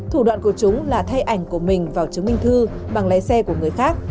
thủ đoạn của chúng là thay ảnh của mình vào chứng minh thư bằng lái xe của người khác